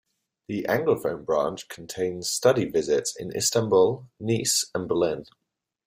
The anglophone branch contains study visits in Istanbul, Nice and Berlin.